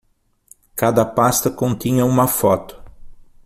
Cada pasta continha uma foto.